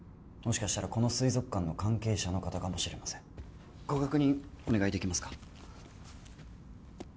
もしかしたらこの水族館の関係者の方かもしれませんご確認お願いできますか？